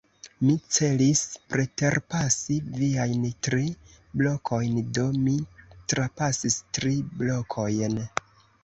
Mi celis preterpasi viajn tri blokojn; do, mi trapasis tri blokojn.